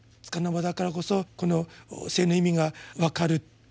つかの間だからこそこの生の意味が分かる。